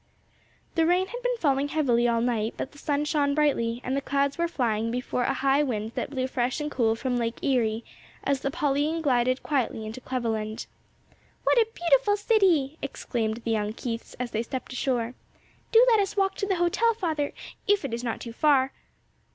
The rain had been falling heavily all night, but the sun shone brightly, and the clouds were flying before a high wind that blew fresh and cool from Lake Erie as the Pauline glided quietly into Cleveland. "What a beautiful city!" exclaimed the young Keiths as they stepped ashore. "Do let us walk to the hotel, father, if it is not too far."